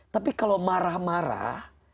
tapi kalau marah marah